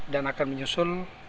dan akan menyusul